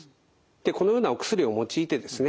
でこのようなお薬を用いてですね